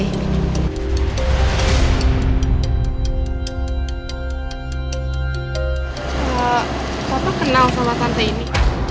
pak papa kenal sama tante ini